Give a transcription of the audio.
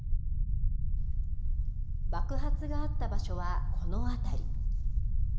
爆発があった場所はこの辺り。